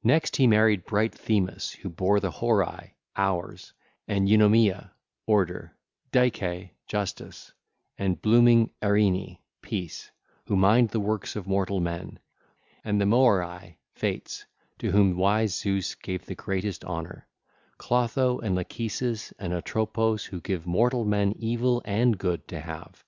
901 906) Next he married bright Themis who bare the Horae (Hours), and Eunomia (Order), Dike (Justice), and blooming Eirene (Peace), who mind the works of mortal men, and the Moerae (Fates) to whom wise Zeus gave the greatest honour, Clotho, and Lachesis, and Atropos who give mortal men evil and good to have.